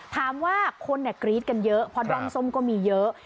ถามว่าคนเนี่ยกรี๊ดกันเยอะพอดรองสมก็มีเยอะ